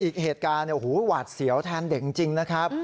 อีกเหตุการณ์หวาดเสียวแทนเด็กจริงนะครับ